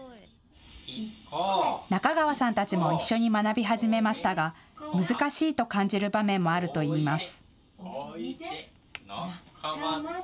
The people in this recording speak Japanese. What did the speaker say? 中川さんたちも一緒に学び始めましたが難しいと感じる場面もあるといいます。